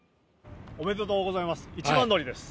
おめでとうございます。